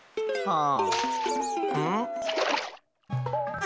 ああ！